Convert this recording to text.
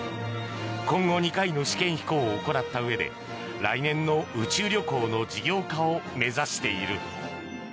今後２回の試験飛行を行ったうえで来年の宇宙旅行の事業化を目指している。